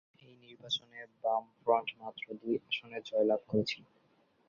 এই নির্বাচনে বামফ্রন্ট মাত্র দুটি আসনে জয়লাভ করেছিল।